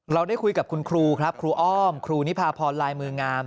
ได้คุยกับคุณครูครับครูอ้อมครูนิพาพรลายมืองาม